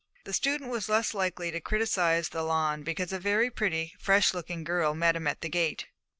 The student was the less likely to criticise the lawn because a very pretty, fresh looking girl met him at the gate.